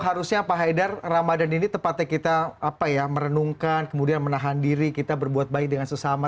harusnya pak haidar ramadan ini tepatnya kita merenungkan kemudian menahan diri kita berbuat baik dengan sesama